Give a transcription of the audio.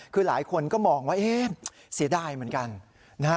คือหลายคนก็มองว่าเอ๊ะเสียดายเหมือนกันนะฮะ